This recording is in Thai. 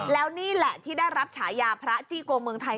แล้วนี่แหละที่ได้รับฉายาพระจี้โกเมืองไทย